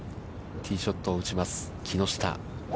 ティーショットを打ちます、木下。